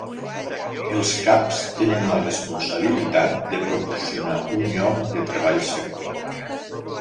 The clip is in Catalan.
Els caps tenen la responsabilitat de proporcionar un lloc de treball segur.